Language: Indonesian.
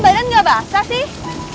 badan gak basah sih